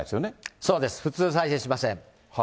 そうです、普通、再生しません。